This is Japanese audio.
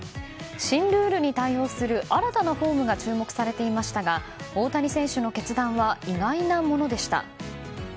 新ルールに対応する新たなフォームが注目されていましたが大谷選手の決断は意外なものでした。